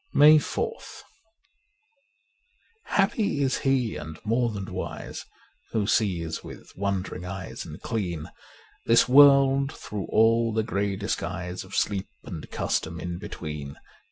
135 MAY 4th HAPPY is he and more than wise Who sees with wondering eyes and clean This world through all the grey disguise Of sleep and custom in between.